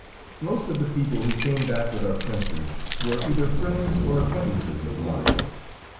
Most of the people who came back with our Princes were either friends or acquaintances of mine.